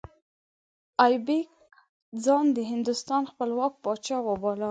ایبک ځان د هندوستان خپلواک پاچا وباله.